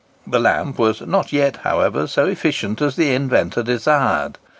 The lamp was not yet, however, so efficient as the inventor desired.